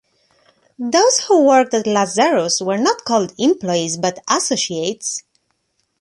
Those who worked at Lazarus were not called employees, but associates.